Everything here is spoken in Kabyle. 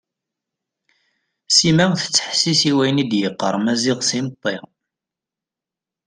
Sima tettḥessis i wayen d-yeqqar Maziɣ s imeṭṭi.